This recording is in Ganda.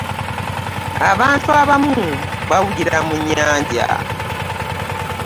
Abantu abamu bawugira mu nnyanja.